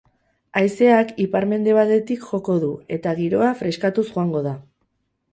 Haizeak ipar-mendebaldetik joko du eta giroa freskatuz joango da.